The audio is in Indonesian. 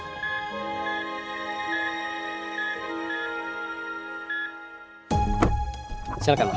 di kantor seperti kehilangan